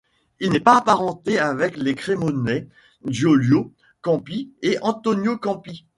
Il n'est pas apparenté avec les Crémonais Giulio Campi et Antonio Campi.